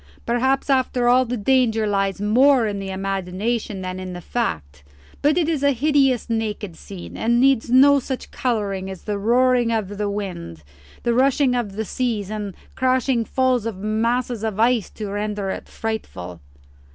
"Perhaps after all the danger lies more in the imagination than in the fact. But it is a hideous naked scene, and needs no such colouring as the roaring of wind, the rushing of seas, and the crashing falls of masses of ice to render it frightful."